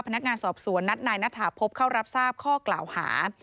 พนักงานสอบสวนนัดนายณฐาพบเข้ารับทราบข้อกล่าวหา